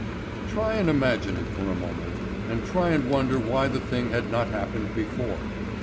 Try and imagine it for a moment, and try and wonder why the thing has not happened before.